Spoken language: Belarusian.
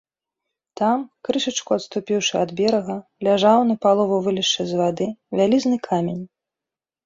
Там, крышачку адступіўшы ад берага, ляжаў, напалову вылезшы з вады, вялізны камень.